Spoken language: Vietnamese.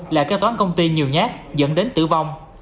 là kế toán công ty nhiều nhát dẫn đến tử vong